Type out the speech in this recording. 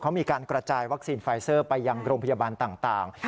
เขามีการกระจายวัคซีนไฟเซอร์ไปยังโรงพยาบาลต่าง